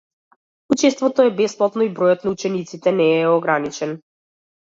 Учеството е бесплатно и бројот на учесници не е ограничен.